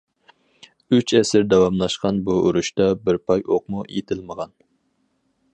ئۈچ ئەسىر داۋاملاشقان بۇ ئۇرۇشتا بىر پاي ئوقمۇ ئېتىلمىغان.